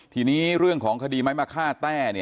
ทีนี้เรื่องของคดีไม้มะค่าแต้